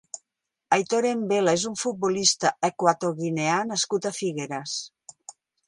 Aitor Embela és un futbolista equatoguineà nascut a Figueres.